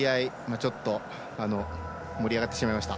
ちょっと盛り上がってしまいました。